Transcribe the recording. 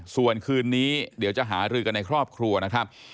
ส่วนคืนนี้เดี๋ยวจะหารือกันในครอบครัวนะครับ